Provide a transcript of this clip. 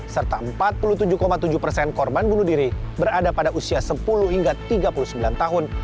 serta empat puluh tujuh tujuh persen korban bunuh diri berada pada usia sepuluh hingga tiga puluh sembilan tahun